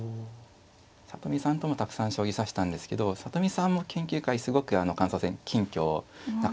里見さんともたくさん将棋指したんですけど里見さんも研究会すごく感想戦謙虚な方ですね。